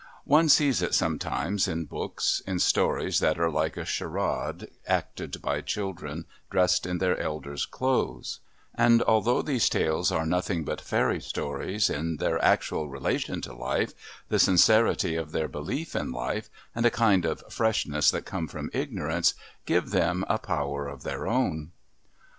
One sees it sometimes in books, in stories that are like a charade acted by children dressed in their elders' clothes, and although these tales are nothing but fairy stories in their actual relation to life, the sincerity of their belief in life, and a kind of freshness that come from ignorance, give them a power of their own.